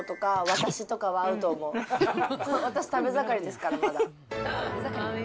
私、食べ盛りですから、まだ。